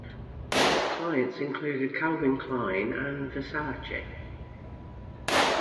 His clients included Calvin Klein and Versace.